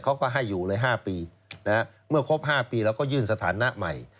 เขาก็ให้อยู่เลยห้าปีนะฮะเมื่อครบห้าปีแล้วก็ยื่นสถานะใหม่